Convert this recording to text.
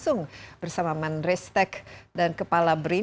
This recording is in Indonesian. saya akan membahasnya langsung bersama menristek dan kepala brin